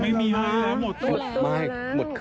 ไม่มีให้แล้วหมดหมดหมดหมด